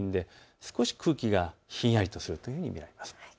少し空気がひんやりとするふうに見られます。